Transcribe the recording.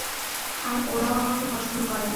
আর ওরাও আমাকে পছন্দ করেনা।